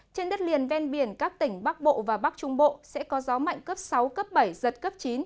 trên đất liền ven biển các tỉnh bắc bộ và bắc trung bộ sẽ có gió mạnh cấp sáu cấp bảy giật cấp chín